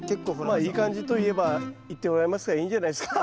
まあいい感じといえば言っておられますからいいんじゃないすか。